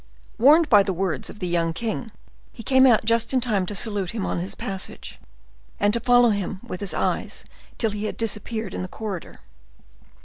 Warned by the last words of the young king, he came out just in time to salute him on his passage, and to follow him with his eyes till he had disappeared in the corridor.